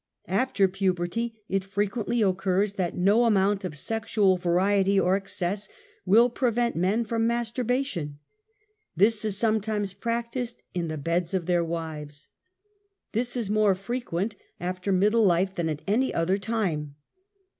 After puberty it frequently occurs that no amount of sexual variety or excess will prevent men from masturbation. This is sometimes practiced in the beds of their wives. This is more frequent after SOCIAL EVIL. 115> middle life than at any other time.